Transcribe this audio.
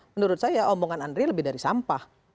menurut saya omongan andri lebih dari sampah